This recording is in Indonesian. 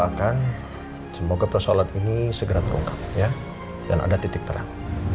bapak doakan semoga persolat ini segera terungkap ya dan ada titik terang